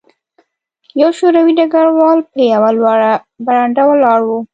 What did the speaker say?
یو شوروي ډګروال په یوه لوړه برنډه ولاړ و